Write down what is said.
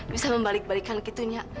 bisa membalik balikkan gitu nya